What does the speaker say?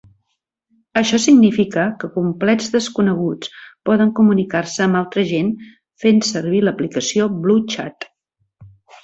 Això significa que complets desconeguts poden comunicar-se amb altra gent fent servir l'aplicació BlueChat.